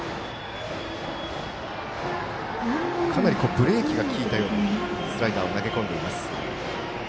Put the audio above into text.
ブレーキがきいたようなスライダーを投げ込んでいます。